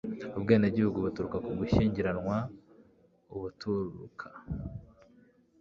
ubwenegihugu buturuka k'ugushyingiranwa, ubuturuka